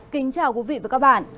kính chào quý vị và các bạn